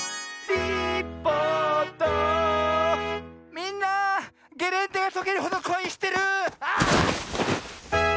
みんなゲレンデがとけるほどこいしてる⁉ああ！